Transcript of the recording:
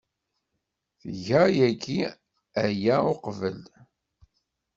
Tga yagi aya uqbel.